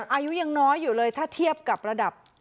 อายุยังน้อยอยู่เลยถ้าเทียบกับระดับ